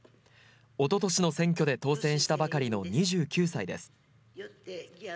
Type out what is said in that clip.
おととしの選挙で当選したばかりの２９歳です。